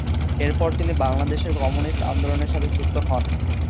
এর পর তিনি বাংলাদেশের কম্যুনিস্ট আন্দোলনের সাথে যুক্ত হন।